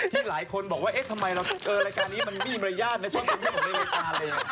ที่หลายคนบอกว่าเอ๊ะทำไมเราเจอรายการนี้มันมีบริญญาณในช่วงที่ผมได้ไว้ก่อน